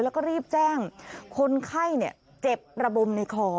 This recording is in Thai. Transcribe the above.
แล้วก็รีบแจ้งคนไข้เจ็บระบมในคอ